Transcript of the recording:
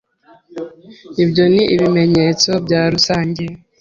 Ibyo ni ibimenyetso bya rusange,